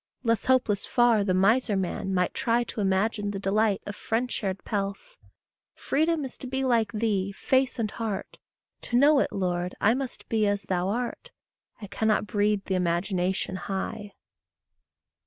Less hopeless far the miser man might try To image the delight of friend shared pelf. Freedom is to be like thee, face and heart; To know it, Lord, I must be as thou art, I cannot breed the imagination high.